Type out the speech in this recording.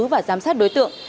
và giám sát đối tượng